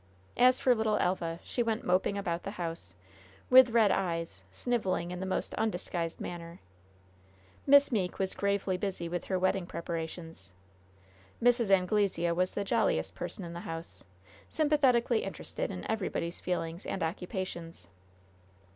As for little Elva, she went moping about the house, with red eyes, sniveling in the most undisguised manner. Miss Meeke was gravely busy with her wedding preparations. Mrs. Anglesea was the jolliest person in the house, sympathetically interested in everybody's feelings and occupations.